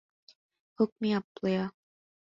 Hook Me Up, Playa!